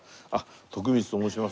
徳光と申します。